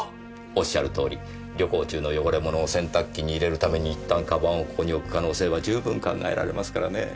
おっしゃるとおり旅行中の汚れ物を洗濯機に入れるために一旦鞄をここに置く可能性は十分考えられますからねぇ。